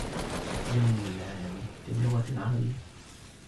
اليوم العالمي للغة العربية.